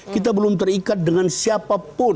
kita belum terikat dengan siapa pun